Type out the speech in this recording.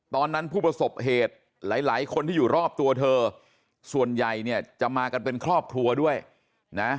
ผู้ประสบเหตุหลายหลายคนที่อยู่รอบตัวเธอส่วนใหญ่เนี่ยจะมากันเป็นครอบครัวด้วยนะ